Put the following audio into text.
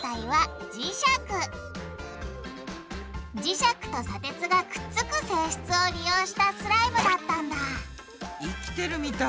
磁石と砂鉄がくっつく性質を利用したスライムだったんだ生きてるみたい。